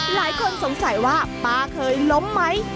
หลายคนสงสัยว่าป้าเคยล้มไหม